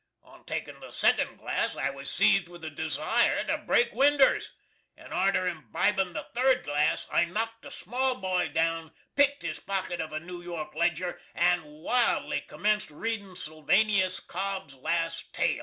On takin the secund glass I was seezed with a desire to break winders, & arter imbibin the third glass I knockt a small boy down, pickt his pocket of a New York Ledger, and wildly commenced readin Sylvanus Kobb's last Tail.